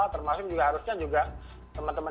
termasuk juga harusnya juga teman teman